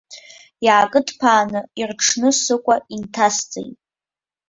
Иаакыдԥааны, ирҽны сыкәа инҭасҵеит.